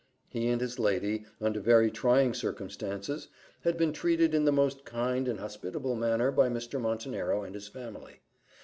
He and his lady, under very trying circumstances, had been treated in the most kind and hospitable manner by Mr. Montenero and his family.